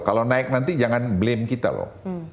kalau naik nanti jangan blame kita loh